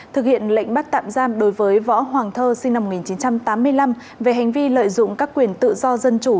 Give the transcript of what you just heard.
thực hiện lệnh bắt tạm giam đối với võ hoàng thơ sinh năm một nghìn chín trăm tám mươi năm về hành vi lợi dụng các quyền tự do dân chủ